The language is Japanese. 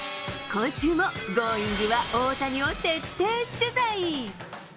今週もＧｏｉｎｇ！は大谷を徹底取材。